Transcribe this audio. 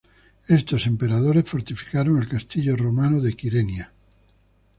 Estos emperadores fortificaron el castillo romano de Kyrenia.